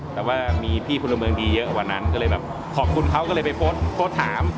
แต่ว่ามีพี่พลเมืองดีเยอะกว่านั้นก็เลยแบบขอบคุณเขาก็เลยไปโพสต์ถาม